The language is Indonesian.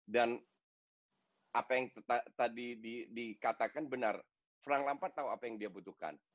dan apa yang tadi dikatakan benar frank lampard tau apa yang dia butuhkan